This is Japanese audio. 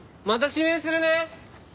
また指名するね。